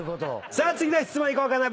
さあ次の質問いこうかな。